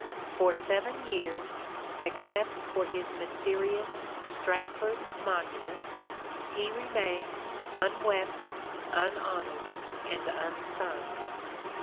For seven years, except for his mysterious " Stratford monument," he remained " unwept, unhonoured and unsung."